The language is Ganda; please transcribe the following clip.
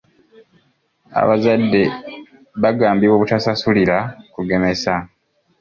Abazadde bagambibwa obutasasulira kugemesa.